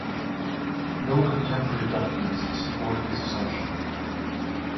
No contemporary documents support this assumption.